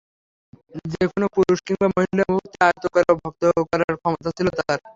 যে কোন পুরুষ কিংবা মহিলাকে মুহূর্তে আয়ত্ত করা ও ভক্ত করার ক্ষমতা তার ছিল।